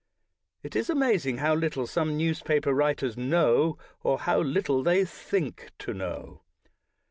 It is amazing how little some newspaper writers know, or how little they think you know.